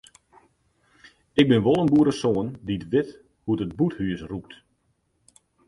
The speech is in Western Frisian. Ik bin wol in boeresoan dy't wit hoe't in bûthús rûkt.